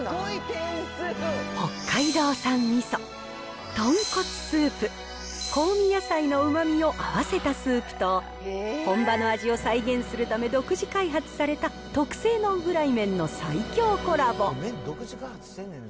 北海道産味噌、豚骨スープ、香味野菜のうまみを合わせたスープと本場の味を再現するため、独自開発された特製ノンフライ麺の最強コラボ。